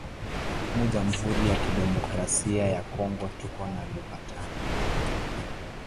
Mu jamhuri ya kidemocrasia ya kongo tuko na luga tano